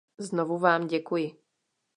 Znovu vám děkuji.